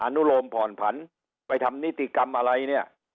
อนุโลมผ่อนผันไปทำนิติกรรมอะไรเนี่ย